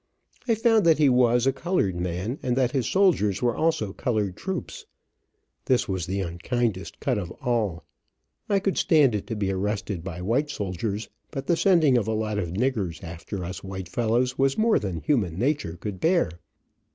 I found that he was, a colored man, and that his soldiers were also colored troops. This was the unkindest cut of all. I could stand it to be arrested by white soldiers, but the sending of a lot of "niggers" after us white fellows was more than human nature could bear.